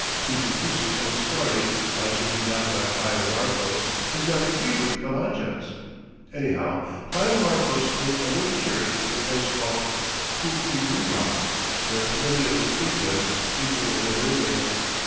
Titu Cusi's own story, as written down by Friar Marcos, does not agree with Calancha's. Anyhow, Friar Marcos built a little church in a place called Puquiura, where many of the Inca's people were then living.